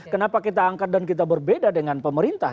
kenapa kita angkat dan kita berbeda dengan pemerintah